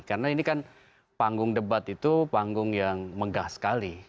karena ini kan panggung debat itu panggung yang megah sekali